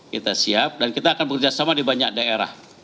kita siap dan kita akan bekerjasama di banyak daerah